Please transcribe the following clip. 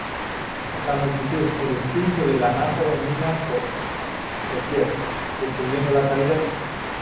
La multitud, el espíritu de la masa domina por doquier, destruyendo la calidad.